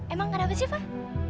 emang kenapa sih fah